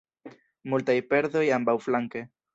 Multaj perdoj ambaŭflanke.